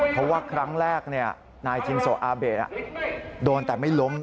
เพราะว่าครั้งแรกนายจินโซอาเบะโดนแต่ไม่ล้ม